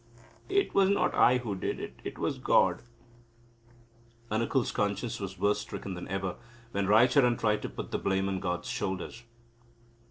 It was not I who did it. It was God." Anukul's conscience was worse stricken than ever, when Raicharan tried to put the blame on God's shoulders.